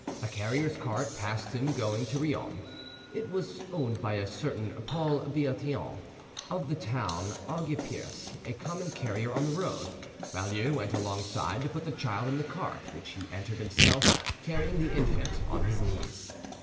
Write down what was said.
A carrier's cart passed him going to Riom; it was owned by a certain Paul Boithion of the town of Aigueperce, a common carrier on the road. Baulieu went alongside to put the child in the cart, which he entered himself, carrying the infant on his knees.